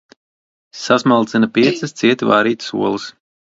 Sasmalcina piecas cieti vārītas olas.